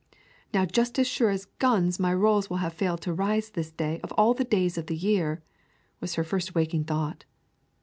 "Now just as sure as guns my rolls will have failed to rise this day of all the days of the year," was her first waking thought.